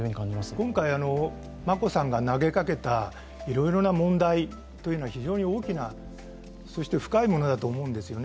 今回、眞子さんが投げかけたいろいろな問題というのは非常に大きな、そして深いものだと思うんでよね。